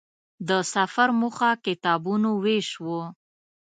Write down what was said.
د سفر موخه کتابونو وېش و.